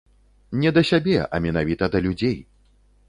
Не да сябе, а менавіта да людзей.